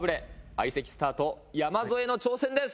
相席スタート・山添の挑戦です。